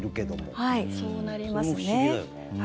そうなりますね。